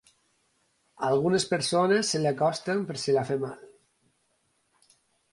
Algunes persones se li acosten per si li ha fet mal.